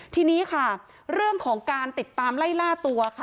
ทีนี้ค่ะเรื่องของการติดตามไล่ล่าตัวค่ะ